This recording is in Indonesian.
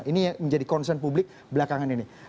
ini yang menjadi concern publik belakangan ini